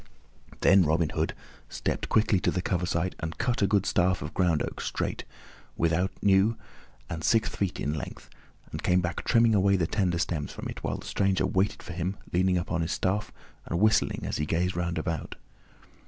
Then Robin Hood stepped quickly to the coverside and cut a good staff of ground oak, straight, without new, and six feet in length, and came back trimming away the tender stems from it, while the stranger waited for him, leaning upon his staff, and whistling as he gazed round about.